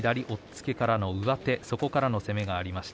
石崎は左押っつけからの上手そこからの攻めがありました。